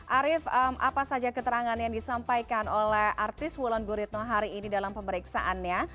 arief apa saja keterangan yang disampaikan oleh artis wulan guritno hari ini dalam pemeriksaannya